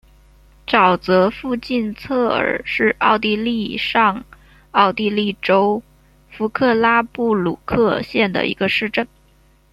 沼泽附近策尔是奥地利上奥地利州弗克拉布鲁克县的一个市镇。